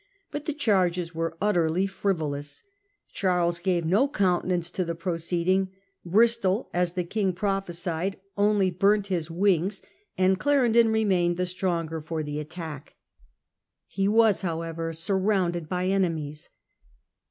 But the charges were utterly frivolous ; Charles gave no countenance to the proceeding ; Bristol, as the King prophesied, only ' burnt his wings,' and Clarendon remained the stronger for the attack. He was however surrounded by enemies.